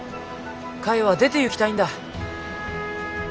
カイは出ていきたいんだ。